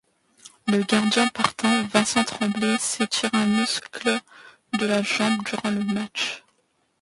Le gardien partant, Vincent Tremblay, s'étire un muscle de la jambe durant le match.